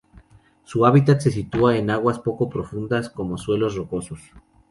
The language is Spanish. Su hábitat se sitúa en aguas poco profundas sobre suelos rocosos.